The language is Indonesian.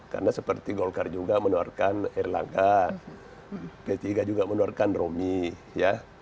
karena seperti golkar juga menawarkan erlangga p tiga juga menawarkan romi ya